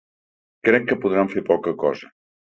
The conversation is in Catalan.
Crec que podran fer poca cosa.